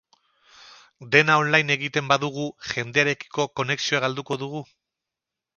Dena online egiten badugu, jendearekiko konexioa galduko dugu?